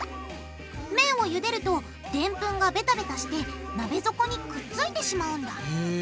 麺をゆでるとでんぷんがベタベタして鍋底にくっついてしまうんだへぇ。